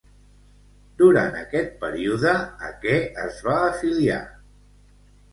Durant aquest període, a què es va afiliar?